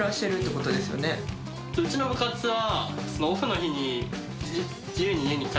うちの部活は。